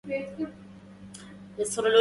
يا من جلا دهرنا دجاه به